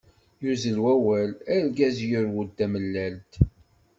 yuzzel wawal argaz yurwen tamellalt.